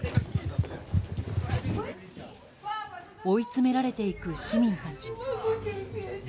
追い詰められていく市民たち。